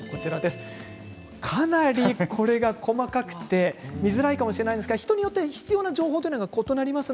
かなり細かくて見づらいかもしれませんが人によって必要な情報が異なります。